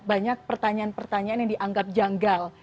banyak pertanyaan pertanyaan yang dianggap janggal